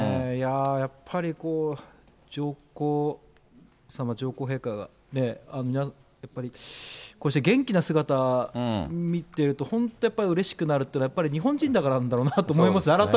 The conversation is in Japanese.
やっぱりこう、上皇さま、上皇陛下が、やっぱり、こうして元気な姿見てると、本当やっぱりうれしくなるっていうのは、日本人だからなんだろう